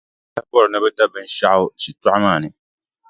Niriba daa bi lahi bɔri ni bɛ da binshɛɣu shitɔɣu maa ni.